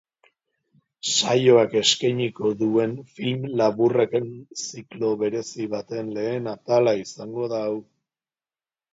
Saioak eskainiko duen film laburren ziklo berezi baten lehen atala izango da hau.